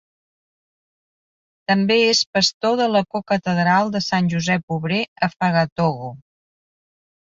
També és pastor de la cocatedral de Sant Josep Obrer a Fagatogo.